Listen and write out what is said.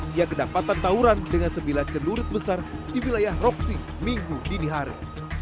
dia kedapatan tawuran dengan sembilan celurit besar di wilayah roksi minggu dinihari